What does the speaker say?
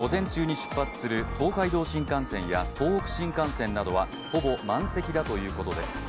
下りのピークは来月１１日で午前中に出発する東海道新幹線や東北新幹線などはほぼ満席だということです。